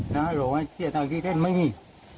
เราไม่เครียดทางที่เท่นไม่มี